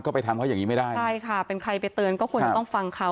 ก็ไปทำเขาอย่างนี้ไม่ได้ใช่ค่ะเป็นใครไปเตือนก็ควรจะต้องฟังเขา